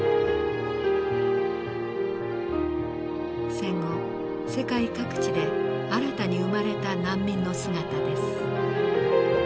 戦後世界各地で新たに生まれた難民の姿です。